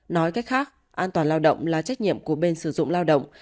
nói cách khác an toàn lao động là trách nhiệm của bên sử dụng lao động